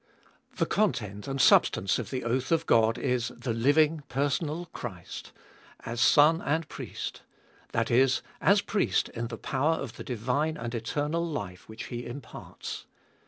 2. The content and substance of the oath of God Is, the living personal Christ, as Son and Priest; that is, as Priest In the power of the diuine and eternal life which He Imparts.